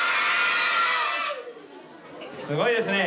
すごいですね。